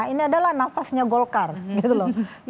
ini adalah nafasnya golkar gitu loh